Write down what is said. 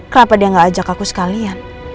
kenapa dia gak ajak aku sekalian